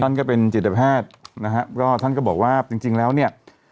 ก็เป็นจิตแพทย์นะฮะก็ท่านก็บอกว่าจริงจริงแล้วเนี่ย